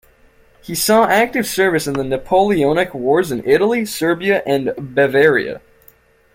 He saw active service in the Napoleonic Wars in Italy, Serbia and Bavaria.